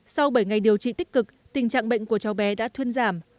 sau bảy ngày điều trị tích cực tình trạng bệnh của cháu bé đã thuyên giảm